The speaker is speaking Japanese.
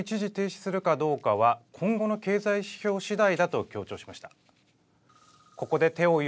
一方、パウエル議長は、利上げを一時停止するかどうかは、今後の経済指標しだいだと強調しました。